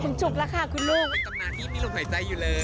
เป็นตำนานที่มีลมหายใจอยู่เลย